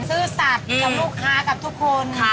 ซื่อสัตว์กับลูกค้ากับทุกคน